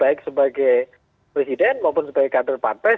baik sebagai presiden maupun sebagai kader partai